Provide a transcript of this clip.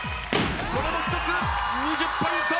これも１つ２０ポイント！